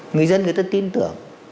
người dân người ta tin tưởng